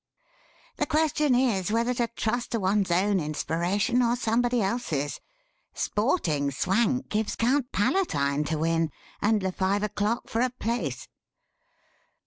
"The question is whether to trust to one's own inspiration, or somebody else's. Sporting Swank gives Count Palatine to win, and Le Five O'Clock for a place."